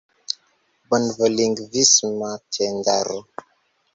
bonlingvisma tendaro.